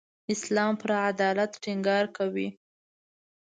اسلام پر عدالت ټینګار کوي.